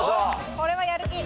これはやる気。